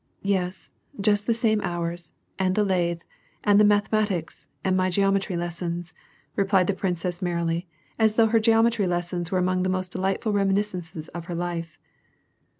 " Yes, just the same hours, and the lathe, and the mathemat ics, and my geometry lessons," replied the princess merrily, as though her geometry lessons were among the most delightful reminiscences of her life.